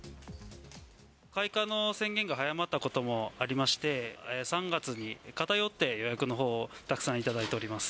開花の宣言が早まったこともありまして、３月に偏って予約のほうたくさんいただいております。